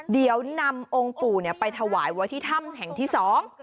เดี๋ยวนำองค์ปู่เนี่ยไปถวายไว้ที่ถ้ำแห่งที่สอง